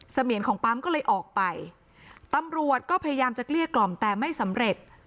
เสมียนของปั๊มก็เลยออกไปตำรวจก็พยายามจะเกลี้ยกล่อมแต่ไม่สำเร็จ